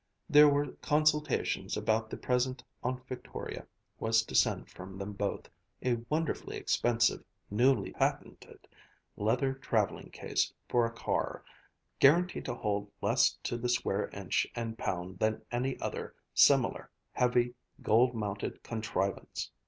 There were consultations about the present Aunt Victoria was to send from them both, a wonderfully expensive, newly patented, leather traveling case for a car, guaranteed to hold less to the square inch and pound than any other similar, heavy, gold mounted contrivance.